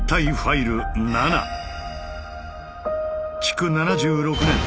築７６年。